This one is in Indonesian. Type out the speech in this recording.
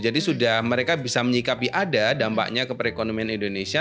jadi sudah mereka bisa menyikapi ada dampaknya ke perekonomian indonesia